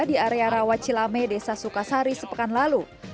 di area rawat cilame desa sukasari sepekan lalu